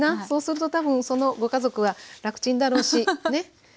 そうすると多分そのご家族は楽ちんだろうしね。